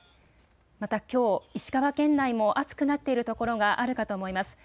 また、きょう石川県内も暑くなっているところがあるかと思います。